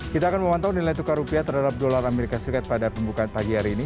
kita akan memantau nilai tukar rupiah terhadap dolar as pada pembukaan pagi hari ini